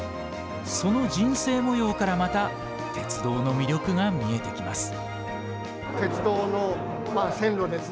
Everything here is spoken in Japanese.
その人生もようから、また鉄道の魅力が見えてきます。